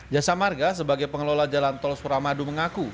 jasa marga sebagai pengelola jalan tol suramadu mengaku